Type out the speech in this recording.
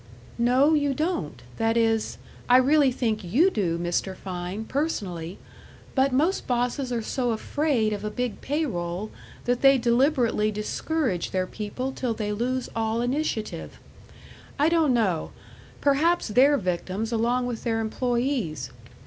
"No, you don't that is, I really think you do, Mr. Fein, personally, but most bosses are so afraid of a big pay roll that they deliberately discourage their people till they lose all initiative. I don't know; perhaps they're victims along with their employees.